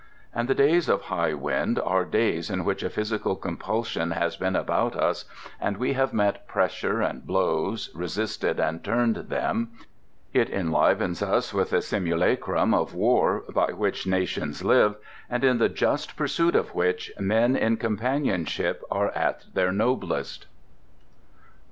And the days of high wind are days in which a physical compulsion has been about us and we have met pressure and blows, resisted and turned them; it enlivens us with the simulacrum of war by which nations live, and in the just pursuit of which men in companionship are at their noblest.